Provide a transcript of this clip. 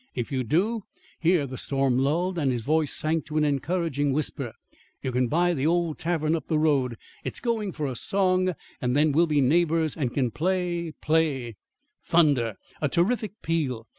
"If you do" here the storm lulled and his voice sank to an encouraging whisper "you can buy the old tavern up the road. It's going for a song; and then we'll be neighbours and can play play " Thunder! a terrific peal.